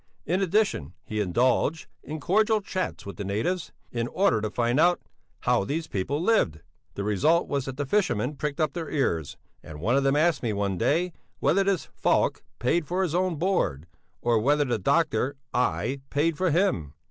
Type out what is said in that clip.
In addition he indulged in cordial chats with the natives, in order to find out "how these people lived." The result was that the fishermen pricked up their ears, and one of them asked me one day whether "this Falk" paid for his own board, or whether the doctor (I) paid for him?